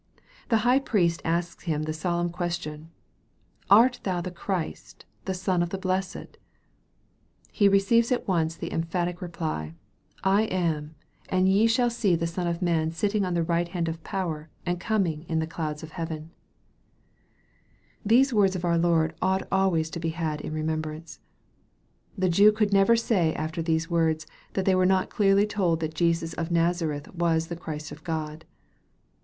The high priest asks Him the solemn question, " Art thou the Christ, the Son of the Blessed ?" He receives at once the emphatic reply, " I am : and ye shall see the Son of Man sitting on the right hand of power, and coming in the clouds of heaven." 330 EXPOSITORY THOUGHTS. These words of our Lord ought always to be had in remembrance. The Jews could never say after these words, that they were not clearly told that Jesus of Nazareth was the Christ of God.